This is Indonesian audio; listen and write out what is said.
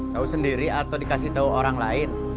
kau sendiri atau dikasih tahu orang lain